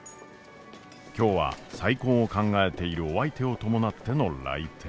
今日は再婚を考えているお相手を伴っての来店。